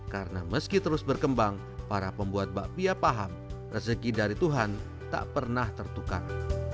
karena meski terus berkembang para pembuat bakpia paham rezeki dari tuhan tak pernah tertukar